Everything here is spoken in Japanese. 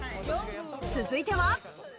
続いては。